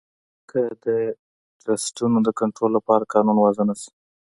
که د ټرسټونو د کنترول لپاره قانون وضعه نه شي